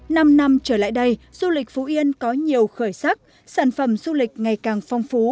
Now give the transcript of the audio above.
năm năm trở lại đây du lịch phú yên có nhiều khởi sắc sản phẩm du lịch ngày càng phong phú